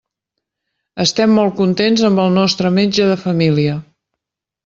Estem molt contents amb el nostre metge de família.